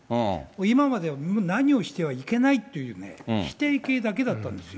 今までは何をしてはいけないというね、否定形だけだったんですよ。